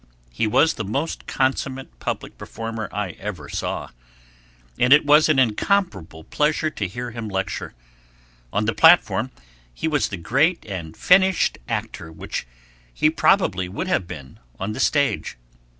He was the most consummate public performer I ever saw, and it was an incomparable pleasure to hear him lecture; on the platform he was the great and finished actor which he probably would not have been on the stage.